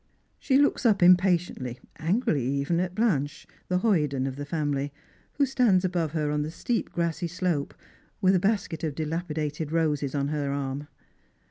She looks up impatiently, angrily even, at Blanche, the hoyden of the family, who stands above her on the steep grassy slope, with a basket of dilapidated roses on her arm.